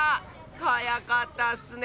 はやかったッスね！